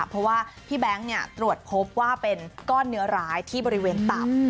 เพราะว่าพี่แบงค์ตรวจพบว่าเป็นก้อนเนื้อร้ายที่บริเวณตับ